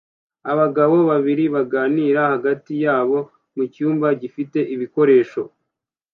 Abagabo babiri baganira hagati yabo mucyumba gifite ibikoresho